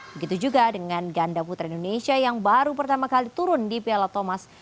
begitu juga dengan ganda putra indonesia yang baru pertama kali turun di piala thomas